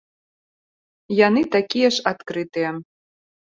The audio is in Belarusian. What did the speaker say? Яны такі я ж адкрытыя.